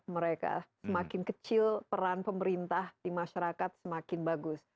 mereka semakin kecil peran pemerintah di masyarakat semakin bagus